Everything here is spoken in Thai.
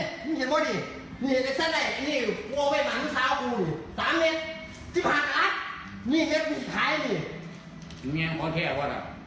ไหนอยากมีสุดตายแล้ว